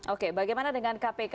oke bagaimana dengan kpk